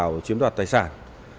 chúng tôi đã chiếm đoạt tài sản